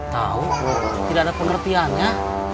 tau tidak ada pengertiannya